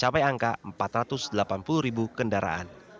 satu ratus delapan puluh ribu kendaraan